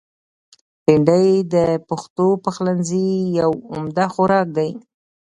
بېنډۍ د پښتو پخلنځي یو عمده خوراک دی